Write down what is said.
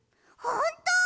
ほんと！？